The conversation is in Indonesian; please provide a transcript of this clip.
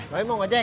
loe mau gak jak